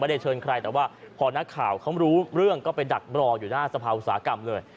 ได้เชิญใครแต่ว่าพอนักข่าวเขารู้เรื่องก็ไปดักรออยู่หน้าสภาอุตสาหกรรมเลย